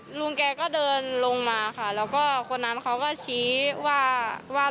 หรือว่าเดินกลับมานั่งก่อนเดินกลับไปเก็บโทรศัพท์